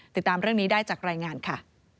ติดตามเรื่องนี้ได้จากรายงานค่ะ